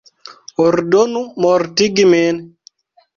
Ordonu mortigi min!